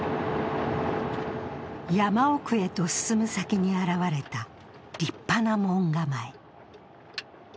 山奥へと進む先に現れた立派な門構え。